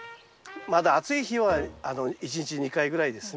まだ暑い日は一日２回ぐらいですね。